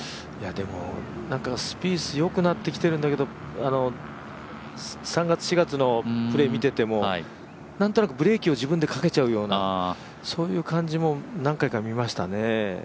でもスピース、よくなってきてるんだけど３月、４月のプレー見ててもなんとなくブレーキを自分でかけちゃうような、そういう感じも何回か見ましたね。